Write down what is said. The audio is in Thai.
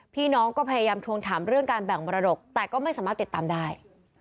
พี่น้องก็พยายามทวงถามเรื่องการแบ่งมรดกแต่ก็ไม่สามารถติดตามได้